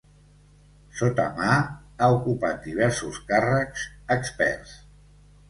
Sotamaa ha ocupat diversos càrrecs experts.